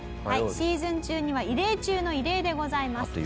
シーズン中には異例中の異例でございます。